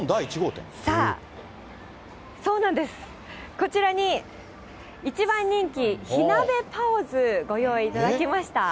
さあ、そうなんです、こちらに一番人気、火鍋パオズ、ご用意いただきました。